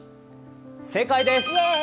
正解です！